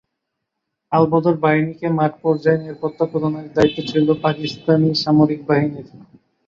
আল-বদর বাহিনীকে মাঠ পর্যায়ে নিরাপত্তা প্রদানের দায়িত্ব ছিল পাকিস্তানি সামরিক বাহিনীর।